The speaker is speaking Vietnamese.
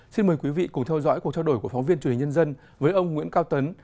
xin mời quý vị cùng theo dõi cuộc trao đổi của phóng viên truyền hình nhân dân với ông nguyễn cao tấn